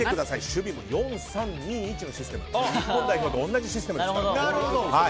守備も４−３−２−１の日本代表と同じシステムです。